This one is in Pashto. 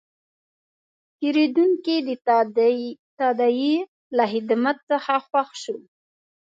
پیرودونکی د تادیې له خدمت څخه خوښ شو.